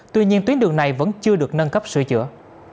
tuy nhiên tuyến đường này vẫn chưa được nâng cấp sửa chữa